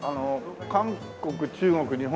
韓国中国日本